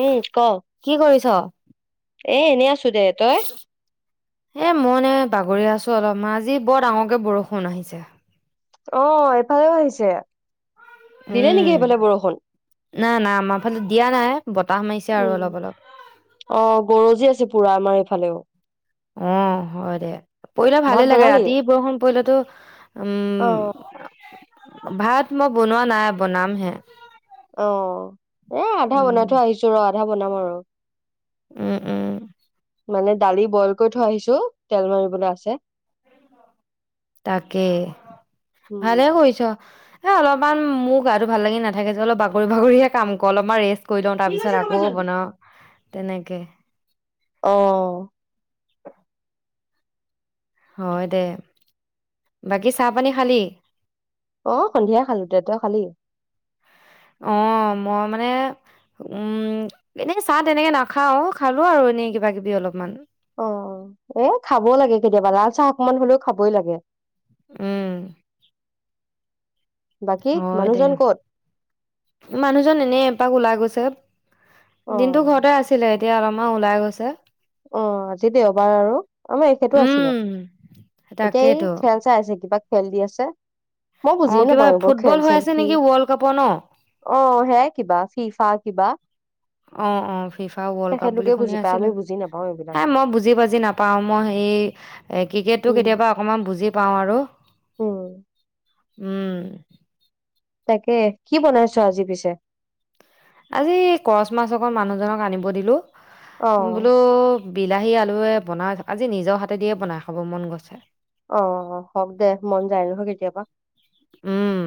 উম ক'। কি কৰিছোঁ? এ এনেই আছোঁ দে। তই? এই মই এনে বাগৰি আছোঁ অলপমান আজি বৰ ডাঙৰকৈ বৰষুণ আহিছে। অ এফালেও আহিছে দিলে উম, নেকি সেইফালে বৰষুণ? নাই, নাই আমাৰ ফালে দিয়া নাই বতাহ মাৰিছে আৰু উম অলপ, অলপ। অ, গৰজি আছে পুৰা আমাৰ এইফালেও। অ হয় দে পৰিলে ভালে ভাত লাগে বনালি ৰাতি বৰষুণ পৰিলেতো উম, অহ। ভাত মই বনোৱা নাই বনাম হে। অ, এ আধা উম, বনাই থৈ আহিছো ৰ' আধা বনাম আৰু। উম, উম। মানে দালি বইল কৰি থৈ আহিছোঁ তেল মাৰিবলৈ আছে। তাকে উম ভালে কৰিছোঁ। হে অলপমান মোৰ গাটো ভাল লাগি নাথাকে যে অলপ বাগৰি বাগৰিয়ে কাম কৰোঁ অলপমান ৰেষ্ট কৰি লওঁ কি কৈছে তাৰপিছত ৰবা আকৌ জল্দি বনাওঁ তেনেকে। অহ। হয় দে, বাকী চাহপানী খালি? অ সন্ধিয়াই খালোঁ, [unintelligible] তই খালি? অ মই মানে। উম এনে চাহ তেনেকে নাখাওঁ খালোঁ আৰু এনেই কিবা কিবি অলপমান। অ এ খাব লাগে কেতিয়াবা লাল চাহ অকমান হলেও খাবই লাগে। উম। বাকী হয় দে মানুহজন ক'ত মানুহজন এনে এপাক ওলাই গৈছে। অ দিনটো ঘৰতে আছিলে এতিয়া অলপমান ওলাই গৈছে। অ আজি দেওবাৰ আৰু আমাৰ এখেতো উম, আছিলে। এতিয়া এই তাকেইতো। খেল চাই আছে কিবা খেল দি আছে। মই অ', বুজিয়ে কিবা নাপাওঁ এইবোৰ ফুটবল খেল হৈ চেল আছে কি। নেকি ৱৰ্ল্ড কাপৰ ন? অ সেয়াই কিবা ফিফা কিবা। অ, অ ফিফা ওৰ্ল্ড কাপ বুলি তেখেতলোকে শুনি বুজি পায় আমি আছিলো বুজি নাপাওঁ এইবিলাক এ মই বুজি পাজি নাপ পাওঁ মই সেই ক্ৰিকেটটো উম কেতিয়াবা অকণমান বুজি পাওঁ আৰু। উম। উম। তাকেহে, কি বনাইছ আজি পিছে? আজি কৰ্চ মাছ অকন মানুহজনক আনিব দিলোঁ। অ বোলো বিলাহী আলুৱে বনাই, আজি নিজৰ হাতে দিয়ে বনাই খাব মন গৈছে। অ', হওঁক দে, মন যায় নহয় কেতিয়াবা। উম্।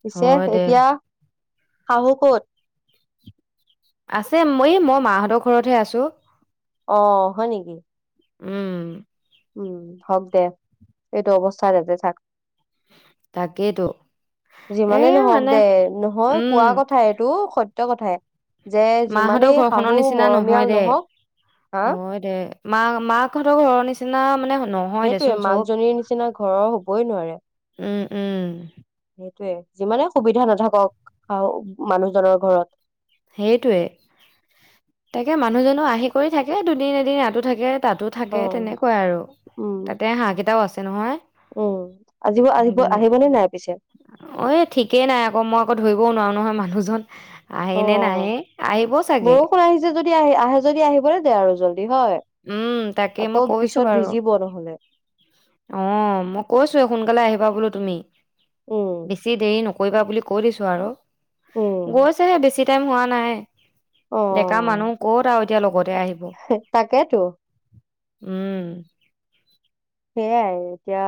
পিছে এতিয়া শাহু ক'ত? আছে, মই এই মাহঁতৰ ঘৰতহে আছোঁ। অ', হয় নেকি? উম্। উম্, হওঁক দে। এইটো অৱস্থাত তাতে থাক। তাকেইতো এ যিমানেই নহওঁক মানে দে, নহয় উম, কোৱা কথা এই এইটো সত্য কথাই যে, মাহঁতৰ যিমানেই ঘৰখনৰ শাহু নিচিনা নহয় মৰমীয়াল দে। নহওঁক হা তো হয় দে, মা-মাকহঁতৰ ঘৰৰ নিচিনা মানে নহয়। সেইটোয়ে, দেচোন চব। মাকজনীৰ নিচিনা ঘৰৰ হ'বই নোৱাৰে। উম্, উম্। সেইটোয়ে, যিমানে সুবিধা নাথাকক মানুহজনৰ ঘৰত। সেইটোৱে, তাকে মানুহজনো আহি কৰি থাকে দুদিন এদিন। ইয়াতো থাকে তাতো থাকে। অ থাকে, তেনেকুৱাই আৰু তাতে হাঁহ কেইটাও আছে নহয়। উম্, আজিবোৰ আহিব সেইকাৰণে আহিবনে নাই পিছে! অ', এই ঠিকেই নাই আকৌ, মই আকৌ ধৰিবও নোৱাৰোঁ নহয় মানুহজন। আহে নে নাহে অ', আহিব চাগে বৰষুণ আহিছে যদি আহ্ আহে যদি আহিবলৈ দে আৰু জল্দি হয়। উম তাকে মই আকৌ কৈছো পিছত বাৰু ভিজিব নহ'লে। অ', মই কৈছোঁয়েই সোনকালে আহিবা বোলো। তুমি উম বেছি দেৰি নকৰিবা বুলি। কৈ দিছোঁ আৰু উম গৈছেহে বেছি টাইম হোৱা নাই, অ ডেকা মানুহ। ক'ত আৰু এতিয়া লগতে আহিব। তাকেইতো। উম্। সেইয়াই আৰু এতিয়া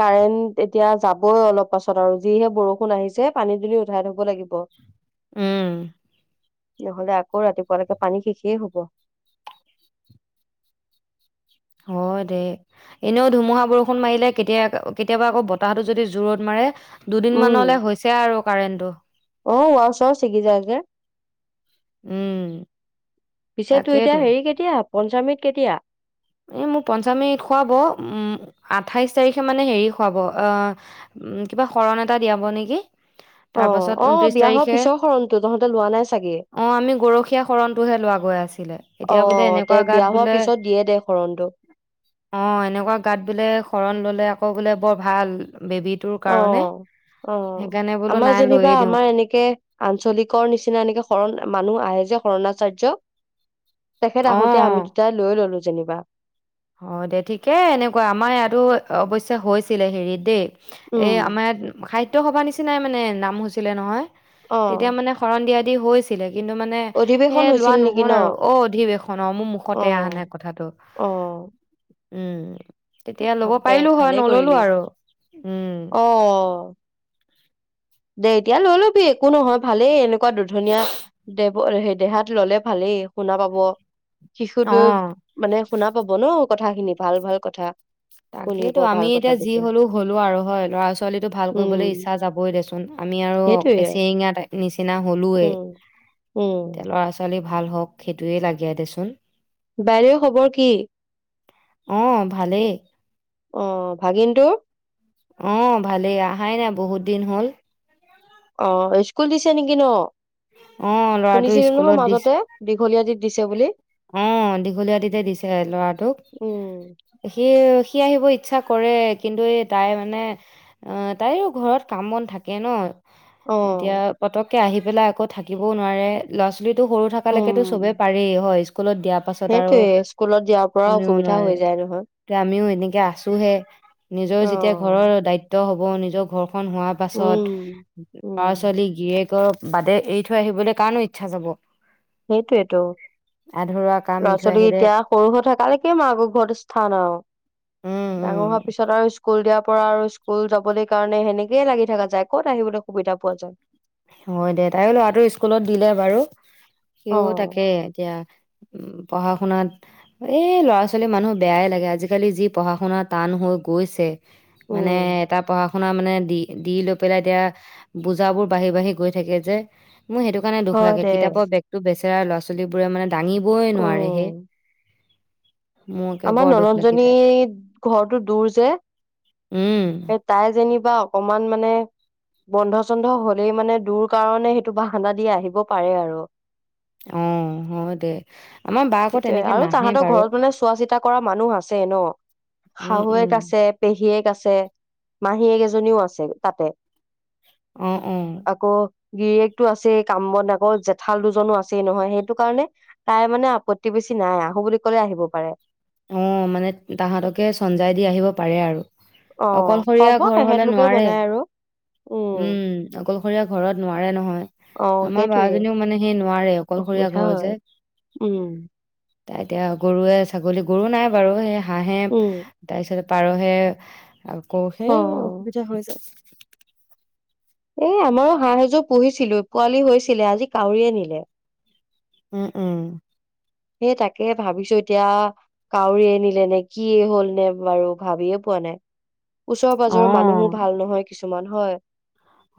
কাৰেণ্ট এতিয়া যাবই অলপ পাছত আৰু যিহে বৰষুণ আহিছে, পানী দুনি উঠাই থব লাগিব। অ'। উম্। নহ'লে আকৌ ৰাতিপুৱালৈকে পানী শেষেই হ'ব। হয় দে। এনেও ধুমুহা বৰষুণ মাৰিলে কেতিয়া, কেতিয়াবা আকৌ বতাহটো যদি জোৰত মাৰে। উম দুদিনমানলৈ হৈছে আৰু কাৰেণ্টটো। অ', ওৱাৰ চোৱাৰ চিগি যায় যে। উম পিছে তোৰ এতিয়া তাকেইতো হেৰি কেতিয়া, পঞ্চামৃত কেতিয়া? এই মোক পঞ্চামৃত খুৱাব। উম্, আঠাইশ তাৰিখে মানে হেৰি খুৱাব অ'। উম্, কিবা শৰণ এটা দিয়াব নেকি? অ তাৰ পাছত অ ঊনত্ৰিশ বিয়া হোৱাৰ তাৰিখে। পিছৰ শৰণটো তহঁতে লোৱা নাই চাগে। অ', আমি গৰখীয়া শৰণটোহে লোৱা গৈ আছিলে। অ এতিয়া বোলে, তে এনেকুৱা গাত বিয়া হোৱাৰ বোলে পিছত দিয়ে দে শৰণটো অ', এনেকুৱা গাত বোলে, শৰণ ল'লে আকৌ বোলে বৰ ভাল। বেবিটোৰ অ', অ', আমাৰ নাই যেনিবা লৈয়ে দিওঁ আমাৰ এনেকে আঞ্চলিকৰ নিচিনা, এনেকে শৰণ মানুহ আহে যে শৰণাচাৰ্য তেখেত আহোতে আমি অঁ দুটাই লৈ ললো যেনিবা। অ', দে ঠিকে এনেকুৱা, আমাৰ ইয়াতো অৱশ্যে হৈছিলে হেৰিত দেই। এ উম আমাৰ ইয়াত সাহিত্য সভাৰ নিচিনাই মানে নাম হৈছিলে নহয়, অ তেতিয়া মানে শৰণ দিয়া দি হৈ ছিলে, কিন্তু মানে এ অধিৱেশন লোৱা হৈছিল নেকি নহল ন? আৰু, অ', অধিৱেশন অ', মোৰ মুখতে অহা নাই কথাটো। অঁ'। উম', তেতিয়া লব দে পাৰিলো হয়, ভালেই কৰিলি নললো আৰু উম'। অ। দে এতিয়া লৈ ল'বি একো নহয় ভালেই, এনেকুৱা দুধনীয়া দে দেহাত ললে ভালেই, শুনা পাব, শিশুটোৱেও অ' মানে শুনা পাব ন কথাখিনি, ভাল ভাল কথা। শুনিব তাকেইতো আমি ভাল কথা এতিয়া যি যেতিয়া হ'লো হ'লো আৰু হয়, ল'ৰা ছোৱালীটো ভাল কৰিবলৈ উম ইচ্ছা যাব দেচোন আমি আৰু সেইটোৱে এচিৰিঙাত নিচিনা হলোয়ে, উম এতিয়া উম ল'ৰা ছোৱালী ভাল হওক সেইটোৱেই লাগে দেচোন। বাইদেউৰ খবৰ কি? অ', ভালেই। অ', ভাগিনটোৰ? অ', ভালেই অহাই নাই, বহুত দিন হল। অ', স্কুল দিছে নেকি ন? অ' ল'ৰাটো শুনিছিলো নহয় স্কুলত দিছে মাজতে। দীঘলীয়াদিত দিছে বুলি। অ', দীঘলীআটিতে দিছে ল'ৰাটোক। উম সি সি আহিব ইচ্ছা কৰে, কিন্তু এই তাই মানে অ', তাইৰো ঘৰত কাম বন থাকে ন। অ এতিয়া পতককে আহি পেলাই আকৌ থাকিবও নোৱাৰে। ল'ৰা ছোৱালীটো সৰু থকালৈকেতো চবে পাৰেই হয়, স্কুলত দিয়া সেইটোয়ে, স্কুলত দিয়াৰ পৰা অসুবিধা হৈ যায় নহয়। এটিয়া আমিও এনেকে আছোহে, নিজৰ অ যেতিয়া ঘৰৰ দায়িত্ব হ'ব, নিজৰ ঘৰখন হোৱাৰ পাছত উম ল'ৰা উম ছোৱালী গিৰেকৰ বাদে, এৰি থৈ আহিবলৈ কাৰণো ইচ্ছা যাব? সেইটোয়েটো, আধৰুৱা কাম এৰি ল'ৰা থৈ ছোৱালী আহিলে এতিয়া সৰু হৈ থকালৈকে মাকৰ ঘৰত স্থান আৰু। উম। উম ডাঙৰ হোৱাৰ পিছত আৰু স্কুল দিয়াৰ পৰা আৰু স্কুল যাবলৈ কাৰণে সেনেকে লাগি থকা যায়, ক'ত আহিবলৈ সুবিধা পোৱা যায়। হয় দে, তায়ো ল'ৰাটো স্কুলত দিলে বাৰু, অ সিও তাকে এতিয়া উম', পঢ়া শুনাত এই ল'ৰা ছোৱালী মানুহ বেয়াই লাগে, আজিকালি যি পঢ়া শুনা টান হৈ গৈছে। মানে উম এটা পঢ়া শুনা মানে দি দি লৈ পেলাই এতিয়া বুজাবোৰ বাঢ়ি বাঢ়ি গৈ থাকে যে, মোৰ সেইটো কাৰণে দুখ হয় লাগে, দে কিতাপৰ বেগতো বেচেৰা ল'ৰা ছোৱালী বোৰে মানে দাঙিবই নোৱাৰে হেই। উম আমাৰ ননন্দজনী ঘৰটো দূৰ যে উম তাই যেনিবা অকমান মানে বন্ধ চন্ধ হলেই মানে দূৰ কাৰণে সেইটো বাহানা দি আহিব পাৰে আৰু। অ', হয় দে, আমাৰ বা আকৌ তেনেকে নাহে বাৰু। চিন্তা কৰা মানুহ আছে ন, উম উম শাহুৱেক আছে পেহীয়েক আছে, মাহীয়েক এজনীও আছে তাতে। অঁ অ। আকৌ গিৰিয়েকটো আছে কাম-বন আকৌ জেঠাল দুজনো আছেই নহয় সেইটো কাৰণে তাই মানে আপত্তি বেছি নাই আহোঁ বুলি কলে আহিব পাৰে। অঁ মানে তাহাঁতকে চমজাই দি আহিব পাৰে আৰু। অ অকলশৰীয়া হ'ব ঘৰ হলে সেহেতলোকে নোৱাৰে বনাই আৰু উম। অকলশৰীয়া ঘৰত নোৱাৰে নহয়, অ আমাৰ বা সেইটোৱে জনীও মানে সেই নোৱাৰে। অকলশৰীয়া অসুবিধা ঘৰ যে। হয় উম তাই এতিয়া গৰুৱে, ছাগলী গৰু নাই বাৰু সেই হাঁহে উম তাৰপিছত পাৰহে আকৌ অ সেই অ অসুবিধা হৈ যায়। এই আমাৰো হাঁহ এযোৰ পুহিছিলো, পোৱালি হৈছিলে আজি কাউৰীয়ে নিলে। উম উম। সেই তাকে ভাবিছো এতিয়া কাউৰীয়ে নিলে নে কিয়ে হল নে বাৰু ভাবিয়ে পোৱা নাই। ওচৰ-পাঁজৰৰ মানুহো অ', ভাল নহয়, কিছুমান হয়।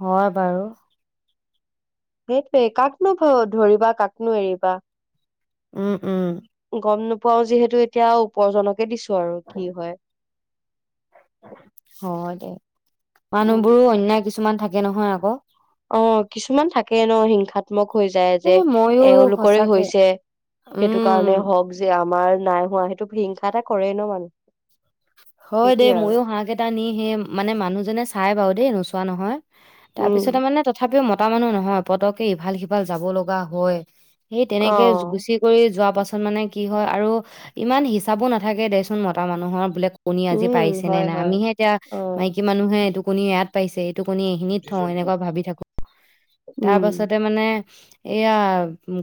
হয় বাৰু। সেইটোৱে কাকনো ধৰিবা, কাকনো এৰিবা। উম উম। গম নোপোৱাও, যিহেতু এতিয়া ওপৰজনকে দিছো আৰু কি হয়। হয় দে, মানুহবোৰো অন্যায় কিছুমান থাকে নহয় আ অ' কিছুমান থাকে ন হিংসাত। মক হৈ যায় যে এই ময়ো এওঁলোকৰে সঁচাকে হৈছে সেইটো কাৰণে উম, হওক। যে আমাৰ নাই হোৱা, সেইটো হিংসা এটা কৰেই ন মানুহ। হয় দেই, সেইটোয়ে আৰু ময়ো হাঁহ কেইটা নি সেই মানে মানুহজনে চাই বাৰু দেই নোচোৱা নহয়। তাৰপিছতে উম মানে তথাপিও মতা মানুহ নহয় পতককে ইফাল-সিফাল যাব লগা হয়। সেই অ তেনেকে গুচি কৰি যোৱা পাছত মানে কি হয় আৰু ইমান হিচাপো নাথাকে দেচোন মতা মানুহৰ বোলে। কণী আজি উম পাৰিছে নে হয় নাই, হয় আমিহে এতিয়া অ মাইকী মানুহে এইটো কণী ইয়াত পাৰিছে। সেইটো কণী নি থওঁ, এনেকুৱা ভাবি থাকো তাৰ উম পাছতে মানে এয়া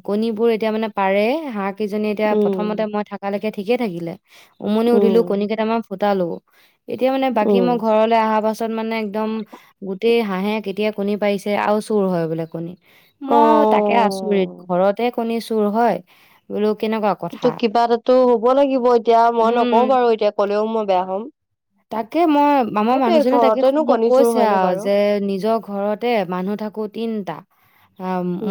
কণীবোৰ এতিয়া মানে পাৰে হাঁহ কিজনীয়ে এতিয়া প্ৰথমতে উম মই থাকালৈকে ঠিকে থাকিলে উমনিও দিলো কণী উম কেইটামান। গোটালো এতিয়া মানে বাকী মই উম ঘৰলৈ অহা পাছ পাছত মানে একদম গোটেই হাঁহে কেতিয়া কণী পাৰিছে, আৰু চুৰ হয় বোলে কণী। অ মই তাকে আচৰিত, ঘৰতে কণী চুৰ হয় বোলো কেনেকুৱা। কথা এইটো কিবা এটাটো হব লাগিব, এতিয়া মই উম নকওঁ বাৰু এতিয়া কলেও মই বেয়া হ'ম। তাকে মই আমাৰ সেইটোৱে মানুহ জনে তাকে ঘৰতেনো মোক কণী চুৰ কৈছে হয়নে আৰু বাৰু যে নিজৰ ঘৰত তে মানুহ থাকো তিনটা।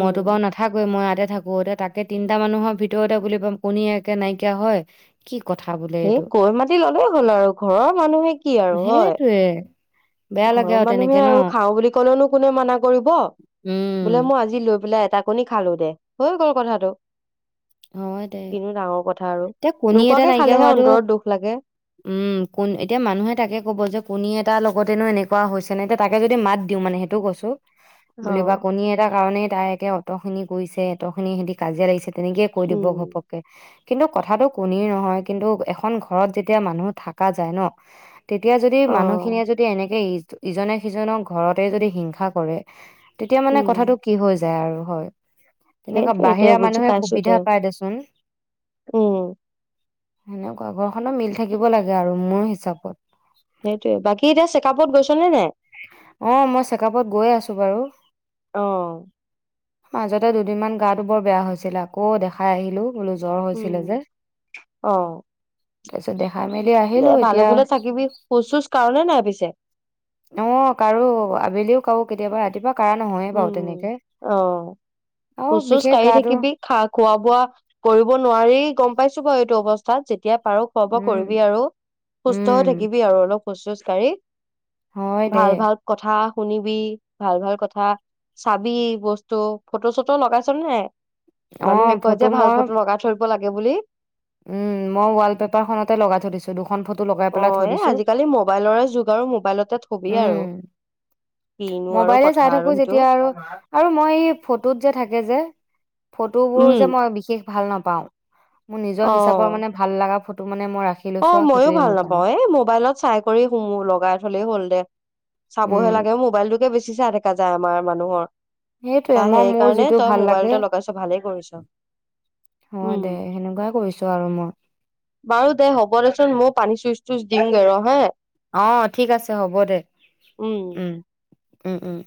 মইতো বাৰু নাথাকোৱে মই ইয়াতে থাকো এতিয়া তাকে তিনটা মানুহৰ ভিতৰতে বুলি কণী একে নাইকিয়া হয়। কি কথা বোলো। এই কৈ মাটি ললেই হ'ল আৰু, ঘৰৰ মানুহে কি আৰু হয়। [unintelligible] বেয়া লাগে ঘৰৰ মানুহে তেনেকে ন আৰু খাও বুলি কলেওনো কোনে মানা কৰিব। বোলে উম মই আজি লৈ পেলাই এটা কণী খালো দে, হৈ গ'ল কথাটো। হয় দে কিনো ডাঙৰ কথা আৰু এতিয়া কণী এটা নোকোৱাকে নাইকিয়া খালেহে হোৱাটো অন্তৰত দুখ লাগে। উম, কোন এতিয়া মানুহে তাকে ক'ব যে কণী এটাৰ লগতেনো এনেকুৱা হৈছে নে। এতিয়া তাকে যদি মাত দিওঁ মানে সেইটো কৈছো। অ বুলিবা কণী এটাৰ কাৰণেই তাই একে অত খিনি কৰিছে, অত খিনি সিহঁতি কাজিয়া লাগিছে তেনেকে কৈ দিব উম ঘপকে। কিন্তু কথাটো কণীৰ নহয়, কিন্তু এখন ঘৰত যেতিয়া মানুহ থকা যায় ন। তেতিয়া যদি অ মানুহখিনিয়ে যদি এনেকে ইজনে সিজনক ঘৰতে যদি হিংসা কৰে, তেতিয়া মানে উম কথাটো কি হৈ যায় আৰু হয়, তেনেকুৱা সেইটোয়ে দে বাহিৰা বুজি মানুহে পাইছো দে সুবিধা পাই দেচোন। উম সেনেকুৱা ঘৰখনো মিল থাকিব লাগে আৰু মোৰ হিচাপত। সেইটোৱে, বাকী এতিয়া চেকআপত গৈছ নে নাই? অঁ, মই চেকআপত গৈ আছো বাৰু। অ মাজতে দুদিনমান গাটো বৰ বেয়া হৈছিল, আকৌ দেখাই আহিলো। বোলো জ্বৰ উম হৈছিলে যে, অ তাৰপিছত দেখাই মেলি দে আহিলো ভালে এতিয়া বোলে থাকিবি। খোজ চোচ কাঢ় নে নাই পিছে? অঁ কাঢ়ো, আবেলিও কাঢ়ো কেতিয়াবা ৰাতিপুৱা কঢ়া নহয়ে বাৰু উম তেনেকে, অ আৰু খোজ চোজ বিশেষ কাঢ়ি গাটো থাকিবি খা খোৱা বোৱা কৰিব নোৱাৰি, গম পাইছো বাৰু এইটো অৱস্থাত যেতিয়া পাৰ খোৱা বোৱা উম কৰিবি আৰু, সুস্থ হৈ উম থাকিবি আৰু অলপ খোজ চোজ কাঢ়ি। হয় দে ভাল ভাল কথা শুনিবি, ভাল ভাল কথা চাবি বস্তু, ফটো চটো লগাইছ নে নাই অ মানুহে কয় যে ভাল মই ফটো লগাই থৈ দিব লাগে বুলি। উম। মই ৱাল পেপাৰ খনতে লগাই থৈ দিছো দুখন ফটো লগাই অ পেলাই থৈ এ দিছো। ছবি আৰু উম, কিনো আৰু কথা আৰু সেইটো এতিয়া আৰু আৰু মই এই ফটোত যে থাকে যে, ফটোবোৰ উম যে মই বিশেষ ভাল নাপাও, মোৰ নিজৰ অ হিচাপৰ মানে ভাল লগা ফটো মানে মই ৰাখি লৈছো অঁ আৰু মই‌য়ো সেইটোয়ে ভাল মোৰ কাৰণে। নাপাও এ মোবাইলত চাই কৰি সুমো লগাই থলেই হ'ল দে। চাবহে উম, লাগে মোবাইলটোকে বেছি চাই থকা যায় আমাৰ মানুহৰ। সেইটোয়ে তই মই সেই মোৰ কাৰণে যিটো তই ভাল লাগে মোবাইলতে লগাইছ ভালেই কৰিছ। হয় উম দে, সেনেকুৱাই কৰিছো আৰু মই। বাৰু দে হ'ব দেচোন মই পানী চুইচ তুইচ দিওগৈ ৰ হা। অঁ, ঠিক আছে হ'ব দে, উম উম উম।